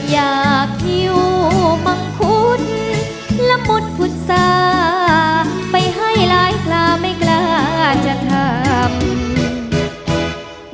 อยากอยู่บังคุณละหมุดผุดสาไปให้รายกลาไม่กลาจะทำ